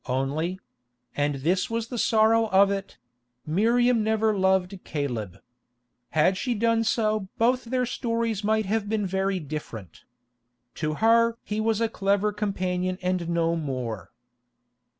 Only—and this was the sorrow of it—Miriam never loved Caleb. Had she done so both their stories would have been very different. To her he was a clever companion and no more.